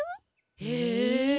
へえ。